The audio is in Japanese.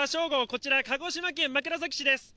こちらは鹿児島県枕崎市です。